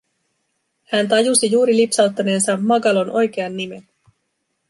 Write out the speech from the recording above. Hän tajusi juuri lipsauttaneensa Magalon oikean nimen.